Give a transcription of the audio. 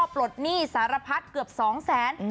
ปลดหนี้สารพัดเกือบ๒แสน